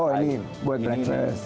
oh ini buat breakfast